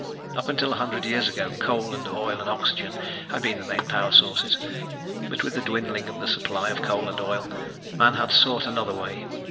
Up until a hundred years ago coal and oil and oxygen had been the main power sources, but with the dwindling of the supply of coal and oil, man had sought another way.